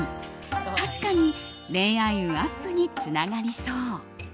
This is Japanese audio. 確かに恋愛運アップにつながりそう。